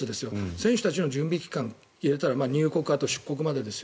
選手たちの準備期間入れたら入国期間、出国期間ですよ。